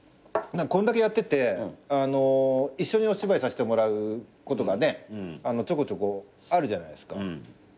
こんだけやってて一緒にお芝居させてもらうことがちょこちょこあるじゃないですか。